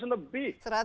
seratus lebih nah ini